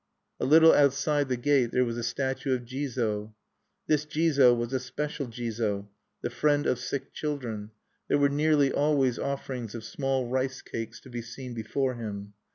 A little outside the gate there was a statue of Jizo. This Jizo was a special Jizo the friend of sick children. There were nearly always offerings of small rice cakes to be seen before him.